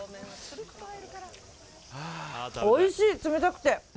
おいしい、冷たくて。